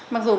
mặc dù mình